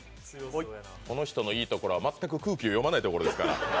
この人のいいところは全く空気を読まないところですから。